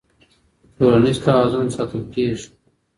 ټولنيز توازن ساتل کيږي.